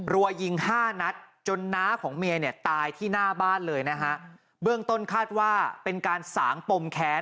รัวยิงห้านัดจนน้าของเมียเนี่ยตายที่หน้าบ้านเลยนะฮะเบื้องต้นคาดว่าเป็นการสางปมแค้น